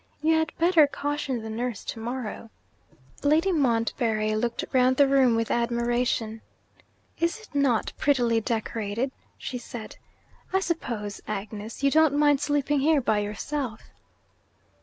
You had better caution the nurse to morrow.' Lady Montbarry looked round the room with admiration. 'Is it not prettily decorated?' she said. 'I suppose, Agnes, you don't mind sleeping here by yourself.?'